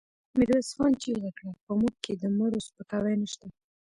ميرويس خان چيغه کړه! په موږ کې د مړو سپکاوی نشته.